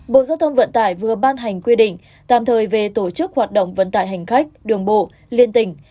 bộ giao thông vận tải vừa ban hành quy định tạm thời về tổ chức hoạt động vận tải hành khách đường bộ liên tỉnh